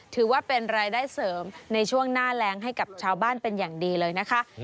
ถือว่าเป็นรายได้เสริมในช่วงหน้าแรงให้กับชาวบ้านเป็นอย่างดีเลยนะคะ